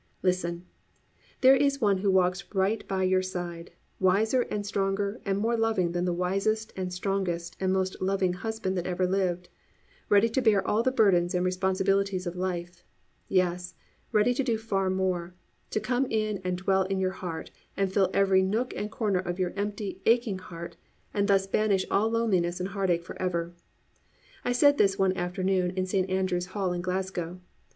Listen! There is One who walks right by your side, wiser and stronger and more loving than the wisest and strongest and most loving husband that ever lived, ready to bear all the burdens and responsibilities of life, yes, ready to do far more: to come in and dwell in your heart and fill every nook and corner of your empty, aching heart, and thus banish all loneliness and heartache forever. I said this one afternoon in Saint Andrews Hall in Glasgow.